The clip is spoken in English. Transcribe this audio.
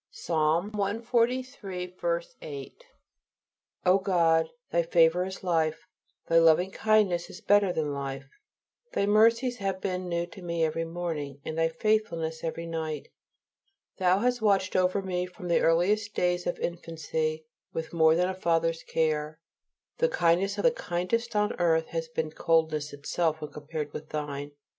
Psalm cxliii. 8. O God, Thy favor is life, Thy loving kindness is better than life. Thy mercies have been new to me every morning, and Thy faithfulness every night. Thou hast watched over me from the earliest years of infancy with more than a Father's care. The kindness of the kindest on earth has been coldness itself when compared with Thine.